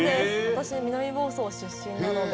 私南房総出身なので。